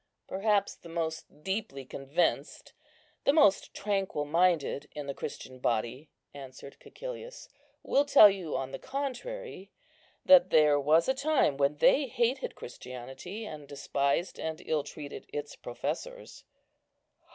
"Perhaps the most deeply convinced, the most tranquil minded in the Christian body," answered Cæcilius, "will tell you, on the contrary, that there was a time when they hated Christianity, and despised and ill treated its professors."